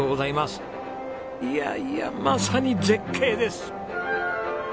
いやいやまさに絶景です。